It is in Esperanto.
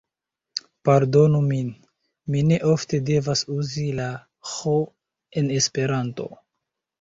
Pardonu min, mi ne ofte devas uzi la ĥ en esperanto.